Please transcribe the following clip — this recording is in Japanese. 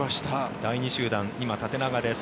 第２集団、今縦長です。